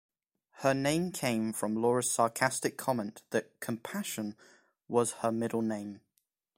Her name came from Laura's sarcastic comment that "Compassion" was her middle name.